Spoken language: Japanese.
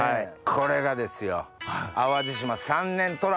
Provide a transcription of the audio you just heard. これがですよ。